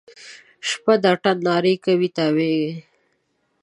شپه د اتڼ نارې کوي تاویږي